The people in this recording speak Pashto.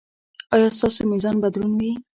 ایا ستاسو میزان به دروند وي؟